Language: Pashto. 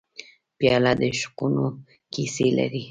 پیاله د عشقونو کیسې لري.